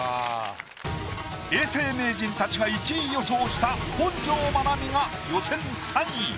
永世名人たちが１位予想した本上まなみが予選３位。